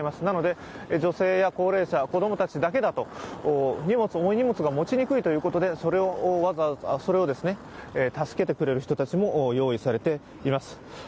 なので、女性や高齢者、子供たちだけだと重い荷物が持ちにくいということで、それを助けてくれる人たちも用意されています。